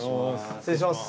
失礼します。